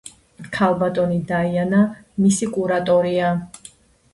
ქალბატონი დაიანა მისი კურატორია.